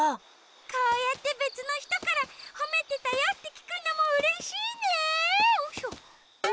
こうやってべつのひとからほめてたよってきくのもうれしいね！